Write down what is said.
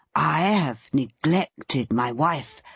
I have neglected my wife.